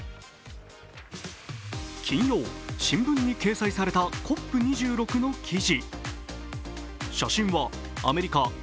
金曜、新聞に掲載されたＣＯＰ２６の記事。